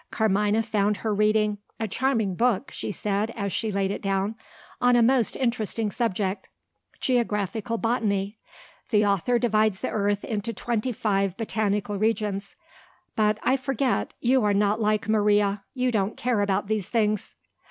Carmina found her reading. "A charming book," she said, as she laid it down, "on a most interesting subject, Geographical Botany. The author divides the earth into twenty five botanical regions but, I forget; you are not like Maria; you don't care about these things."